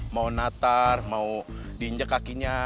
mau natar mau diinjak kakinya